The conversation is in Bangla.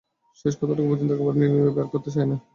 শেষ কথাটুকু পর্যন্ত একেবারে নিংড়ে বের করে নিতে চায়।